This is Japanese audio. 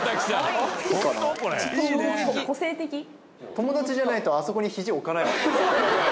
友だちじゃないとあそこにひじ置かないもんね。